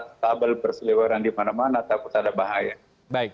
penuh dengan kabel berselioran di mana mana takut ada bahaya